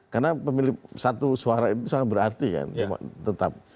karena pemilih satu suara itu sangat berarti kan tetap